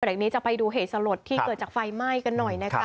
จากนี้จะไปดูเหตุสลดที่เกิดจากไฟไหม้กันหน่อยนะคะ